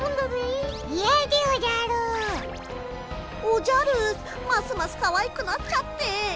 おじゃるますますかわいくなっちゃって。